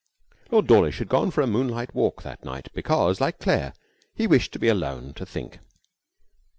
11 Lord Dawlish had gone for a moonlight walk that night because, like Claire, he wished to be alone to think.